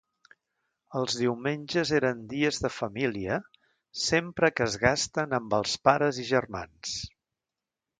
Els diumenges eren dies de família sempre que es gasten amb els pares i germans.